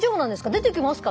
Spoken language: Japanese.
出てきますか？